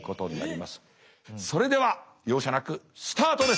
それでは容赦なくスタートです。